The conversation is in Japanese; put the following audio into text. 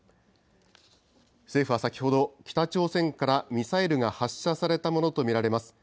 政府は先ほど、北朝鮮からミサイルが発射されたものと見られます。